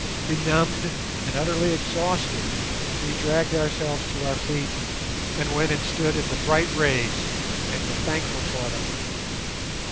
Benumbed, and utterly exhausted, we dragged ourselves to our feet, and went and stood in the bright rays, and were thankful for them.